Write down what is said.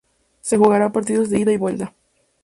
Se jugará a partidos de ida y vuelta.